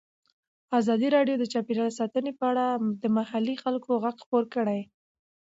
ازادي راډیو د چاپیریال ساتنه په اړه د محلي خلکو غږ خپور کړی.